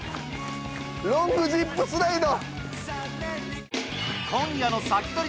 ロングジップスライド！